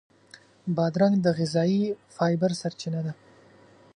بادرنګ د غذایي فایبر سرچینه ده.